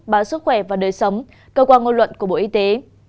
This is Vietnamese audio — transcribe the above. báo sức khỏe và đời sống cơ quan ngôn luận của bộ y tế